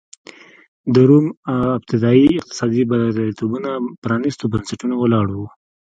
د روم ابتدايي اقتصادي بریالیتوبونه پرانېستو بنسټونو ولاړ و.